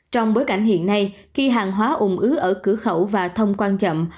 trong bối cảnh hiện nay khi hàng hóa ủng ứ ở cửa khẩu và thông quan chậm